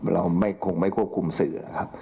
เราคงไม่ควบคุมสื่อ